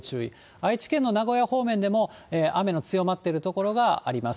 愛知県の名古屋方面でも、雨の強まってる所があります。